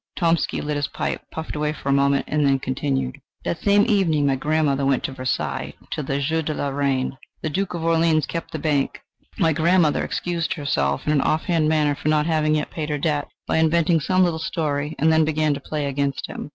Tomsky lit his pipe, puffed away for a moment and then continued: "That same evening my grandmother went to Versailles to the jeu de la reine. The Duke of Orleans kept the bank; my grandmother excused herself in an off hand manner for not having yet paid her debt, by inventing some little story, and then began to play against him.